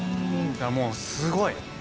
もうすごい！